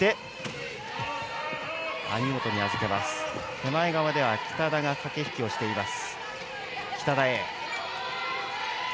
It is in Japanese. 手前側、北田が駆け引きをしている。